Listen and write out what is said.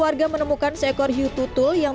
warga menemukan seekor hiu tutul yang